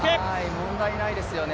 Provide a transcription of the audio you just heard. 問題ないですよね。